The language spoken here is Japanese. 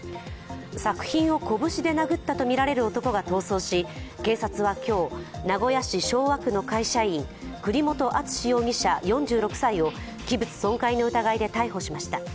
作品を拳で殴ったとみられる男が逃走し、警察は今日、名古屋市昭和区の会社員、栗本篤史容疑者４６歳を器物損壊の疑いで逮捕しました。